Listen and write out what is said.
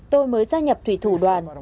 tôi mới gia nhập thủy thủ đoàn